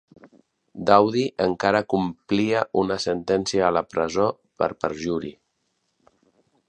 Dowdy encara complia una sentència a la presó per perjuri.